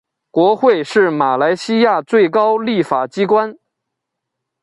国会是马来西亚最高立法机关。